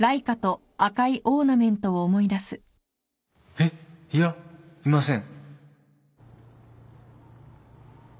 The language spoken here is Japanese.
えっ！いやいません